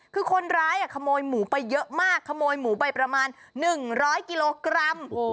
คือคนร้ายขโมยหมูไปเยอะมากขโมยหมูไปประมาณ๑๐๐กิโลกรัม